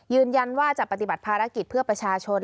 ยืนยันว่าจะปฏิบัติภารกิจเพื่อประชาชน